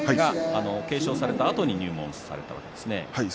継承されたあとに入門されたわけですね。